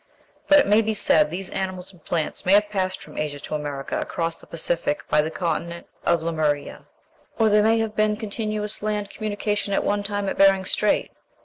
But it may be said these animals and plants may have passed from Asia to America across the Pacific by the continent of Lemuria; or there may have been continuous land communication at one time at Behring's Strait.